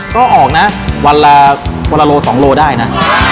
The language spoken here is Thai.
ก็ออกนะวันละโล๒โลได้นะ